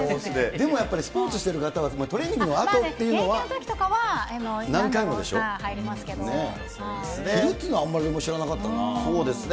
でもやっぱりスポーツしてる方は、トレーニングのあとというのは。現役のときとかは、昼っていうのはあまり俺も知そうですね。